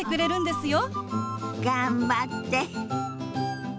頑張って。